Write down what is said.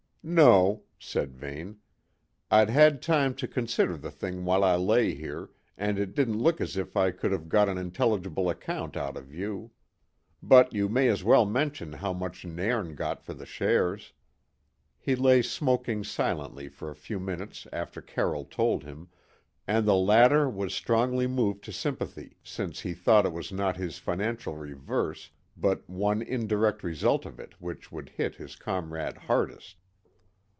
"No," said Vane. "I'd had time to consider the thing while I lay here, and it didn't look as if I could have got an intelligible account out of you. But you may as well mention how much Nairn got for the shares." He lay smoking silently for a few minutes after Carroll told him, and the latter was strongly moved to sympathy since he thought it was not his financial reverse but one indirect result of it which would hit his comrade hardest.